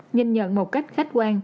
nhìn nhận một cách khách quan